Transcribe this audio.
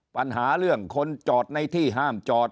ปัญหาเรื่องคนจอดในที่ห้ามจอด